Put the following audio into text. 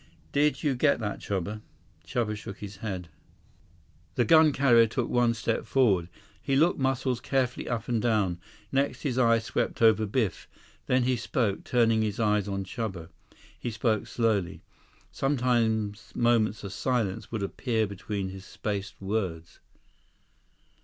"Did you get that, Chuba?" Chuba shook his head. The gun carrier took one step forward. He looked Muscles carefully up and down. Next his eyes swept over Biff. Then he spoke, turning his eyes on Chuba. He spoke slowly. Sometimes moments of silence would appear between his spaced words.